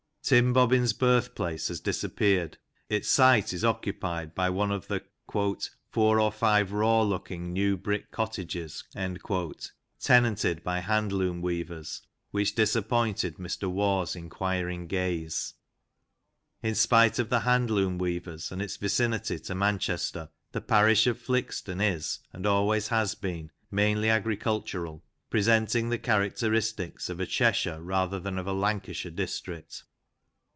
Tim Bobbin's birth place has disappeared ; its site is occupied by one of the " four or five raw looking, new brick cottages,'' tenanted by hand loom weavers, which disappointed Mr Waugh's inquiring gaze. In spite of the hand loom weavers and its vicinity to Manchester, the parish of Flixton is, and always has been, mainly agricultural, presenting the characteristics of a Cheshire rather than of a Lancashire district.